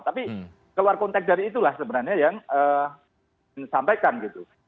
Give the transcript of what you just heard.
tapi keluar konteks dari itulah sebenarnya yang disampaikan gitu